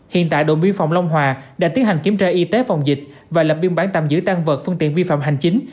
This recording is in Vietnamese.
hiện tại đồn biên phòng long hòa đã tiến hành kiểm tra y tế phòng dịch và lập biên bản tạm giữ tăng vật phương tiện vi phạm hành chính